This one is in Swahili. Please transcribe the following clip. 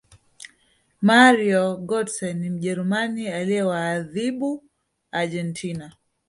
mario gotze ni mjerumani aliyewaathibu argentina